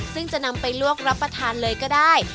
ซึ่งจะนำไปลวกรับประทานเลยก็ได้